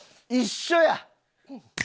一緒や！